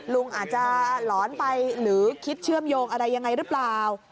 ลุงอาจจะหลอนไปหรือคิดเชื่อมโยงอะไรยังไงหรือเปล่า